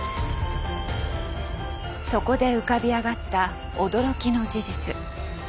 そこで浮かび上がった驚きの事実。